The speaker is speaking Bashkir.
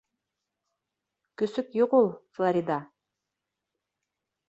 Көсөк юҡ, ул Флорида.